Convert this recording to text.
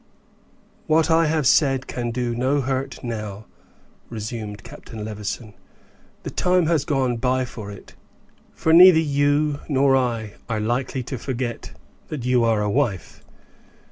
"What I have said can do no hurt now," resumed Captain Levison; "the time has gone by for it; for neither you nor I are likely to forget that you are a wife.